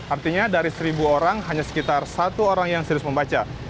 artinya dari seribu orang hanya sekitar satu orang yang serius membaca